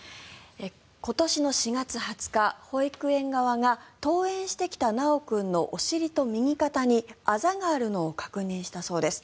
今年の４月２０日、保育園側が登園してきた修君のお尻と右肩にあざがあるのを確認したそうです。